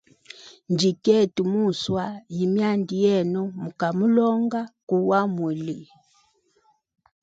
Njkwete muswa ye myanda yemu ya muka mulonga koo wamuli.